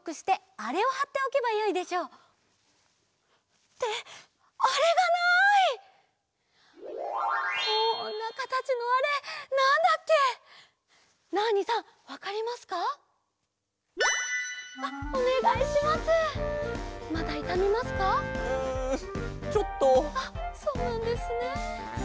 あっそうなんですね。